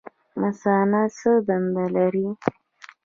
مثانه څه دنده لري؟